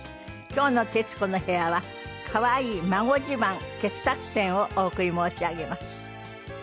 今日の『徹子の部屋』はかわいい孫自慢傑作選をお送り申し上げます。